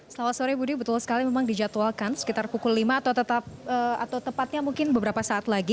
selamat sore budi betul sekali memang dijadwalkan sekitar pukul lima atau tepatnya mungkin beberapa saat lagi